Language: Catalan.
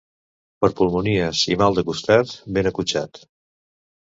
Per pulmonies i mal de costat, ben acotxat.